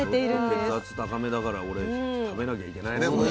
ちょっと血圧高めだから俺食べなきゃいけないねこれ。